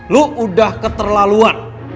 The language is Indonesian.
lo udah keterlaluan